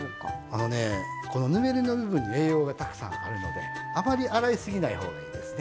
あのねこのぬめりの部分に栄養がたくさんあるのであまり洗いすぎないほうがいいですね。